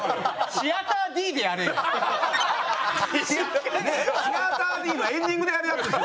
シアターＤのエンディングでやるやつですよね